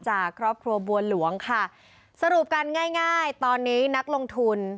จากครอบครัวบัวหลวงค่ะสรุปกันง่ายง่ายตอนนี้นักลงทุน